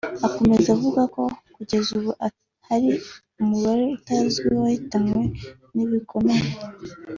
Akomeza avuga ko kugeza ubu hari umubare utazwi w’abahitanwe n’ibikomere